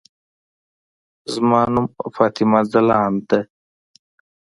زما نوم فاطمه ځلاند ده.